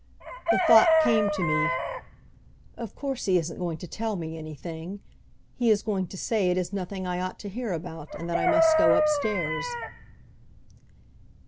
The thought came to me, "Of course he isn't going to tell me anything. He is going to say it is nothing I ought to hear about, and that I must go up stairs."